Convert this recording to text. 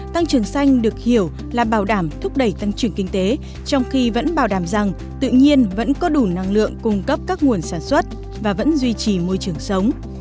tăng trưởng xanh được hiểu là bảo đảm thúc đẩy tăng trưởng kinh tế trong khi vẫn bảo đảm rằng tự nhiên vẫn có đủ năng lượng cung cấp các nguồn sản xuất và vẫn duy trì môi trường sống